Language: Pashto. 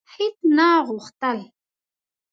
هیڅ نه غوښتل: